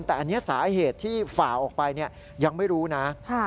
แต่อันนี้สาเหตุที่ฝ่าออกไปยังไม่รู้นะ